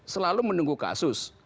selalu menunggu kasus